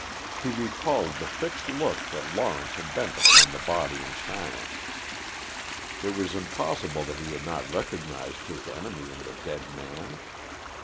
He recalled the fixed look that Lawrence had bent upon the body in silence. It was impossible that he had not recognized his enemy in the dead man.